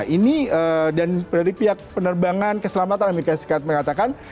ini dan dari pihak penerbangan keselamatan amerika serikat mengatakan